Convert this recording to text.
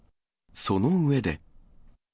その上で。